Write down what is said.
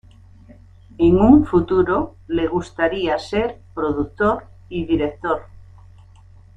En un futuro le gustaría ser productor y director.